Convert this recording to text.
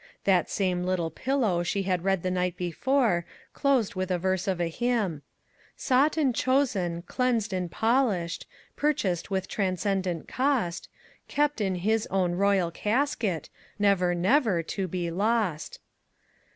That same little " Pillow " she had read the night before closed with a verse of a hymn :" Sought and chosen, cleansed and polished, Purchased with transcendent cost, Kept in his own royal casket, Never, never, to be lost."